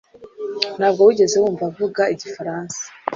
Ntabwo wigeze wumva avuga igifaransa